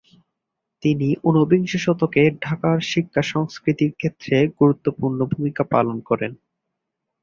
তিনি ঊনবিংশ শতকে ঢাকার শিক্ষা-সংস্কৃতিক্ষেত্রে গুরুত্বপূর্ণ ভূমিকা পালন করেন।